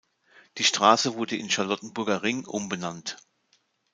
Die Straße wurde in Charlottenburger Ring umbenannt.